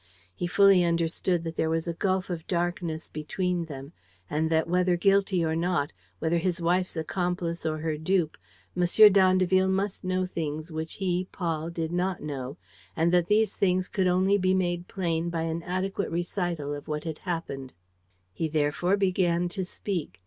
He fully understood that there was a gulf of darkness between them and that, whether guilty or not, whether his wife's accomplice or her dupe, M. d'Andeville must know things which he, Paul, did not know and that these things could only be made plain by an adequate recital of what had happened. He therefore began to speak.